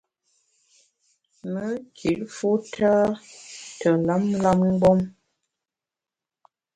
Me kit fu tâ te lam lam mgbom.